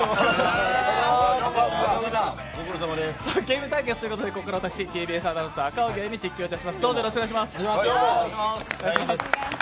ゲーム対決ということでここからは私ＴＢＳアナウンサー・赤荻が実況します。